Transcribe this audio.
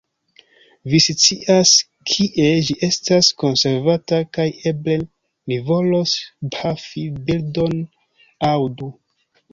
Vi scias kie ĝi estas konservata, kaj eble ni volos pafi birdon aŭ du.